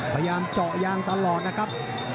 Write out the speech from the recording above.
พยายามเจาะยางตลอดนะครับ